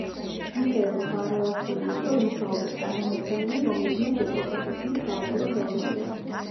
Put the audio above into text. მიხეილ ყვარელაშვილი იყო იმ თაობის წარმომადგენელი, რომლებმაც ეპოქა შექმნეს საოპერო ხელოვნებაში.